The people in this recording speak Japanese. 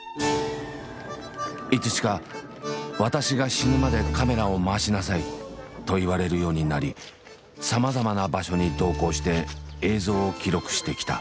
いつしか「私が死ぬまでカメラを回しなさい」と言われるようになりさまざまな場所に同行して映像を記録してきた。